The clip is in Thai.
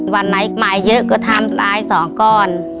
วันไหนมาเยอะก็ทำซ้ายสองก้อน